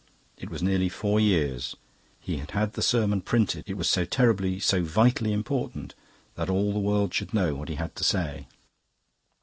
It was nearly four years. He had had the sermon printed; it was so terribly, so vitally important that all the world should know what he had to say.